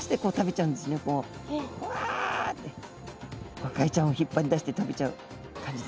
ゴカイちゃんを引っ張り出して食べちゃう感じです。